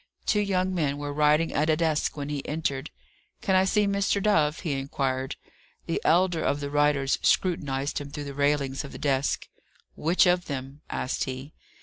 Two young men were writing at a desk when he entered. "Can I see Mr. Dove?" he inquired. The elder of the writers scrutinized him through the railings of the desk. "Which of them?" asked he.